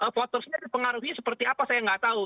votersnya dipengaruhi seperti apa saya nggak tahu